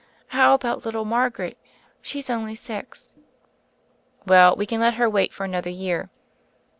How about little Margaret? She's only six." "Well, we can let her wait for another year."